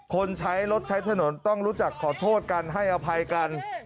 คนใช้รถใช้ถนนต้องรู้จักขอโทษกันให้อภัยกัน